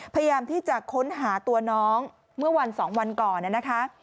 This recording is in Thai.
พยายามที่จะค้นหาตัวน้องเมื่อวัน๒วันก่อนนะคะ